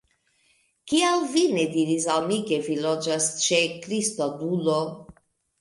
Kial vi ne diris al mi, ke vi loĝas ĉe Kristodulo?